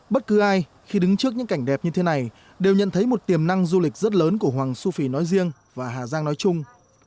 bất cứ ai khi đứng trước những cảnh đẹp như thế này đều nhận thấy một tiềm năng du lịch rất lớn của hoàng su phi nói riêng và hà giang nói chung